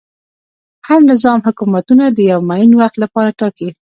هر نظام حکومتونه د یوه معین وخت لپاره ټاکي.